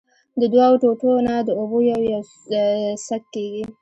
د دؤو ټوټو نه د اوبو يو يو څک کېږي